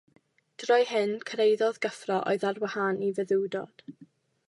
Drwy hyn, cyrhaeddodd gyffro oedd ar wahân i feddwdod.